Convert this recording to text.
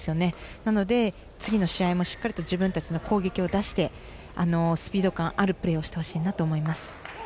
なので、次の試合もしっかりと自分たちの攻撃を出してスピード感あるプレーをしてほしいと思います。